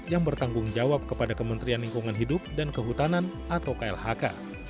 yang bertanggung jawab kepada kementerian lingkungan hidup dan kehutanan atau klhk